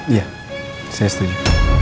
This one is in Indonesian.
iya saya setuju